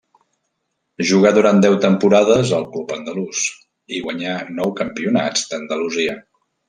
Jugà durant deu temporades al club andalús i guanyà nou campionats d'Andalusia.